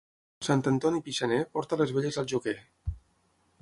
Sant Antoni pixaner porta les velles al joquer.